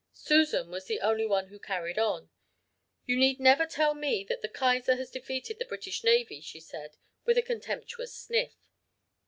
Susan was the only one who carried on. 'You need never tell me that the Kaiser has defeated the British Navy,' she said, with a contemptuous sniff.